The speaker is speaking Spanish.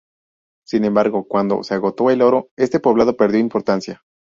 Sin embargo, cuando se agotó el oro, este poblado perdió importancia.